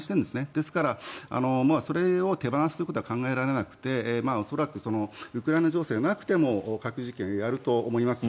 ですから、それを手放すということは考えられなくて恐らくウクライナ情勢がなくても核実験をやると思います。